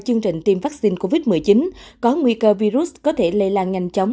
chương trình tiêm vaccine covid một mươi chín có nguy cơ virus có thể lây lan nhanh chóng